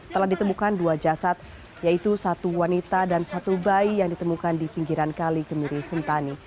telah ditemukan dua jasad yaitu satu wanita dan satu bayi yang ditemukan di pinggiran kali kemiri sentani